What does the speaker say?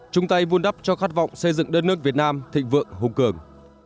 chung tay vun đắp cho khát vọng xây dựng đất nước việt nam thịnh vượng hùng cường